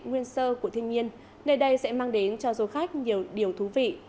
nguyên sơ của thiên nhiên nơi đây sẽ mang đến cho du khách nhiều điều thú vị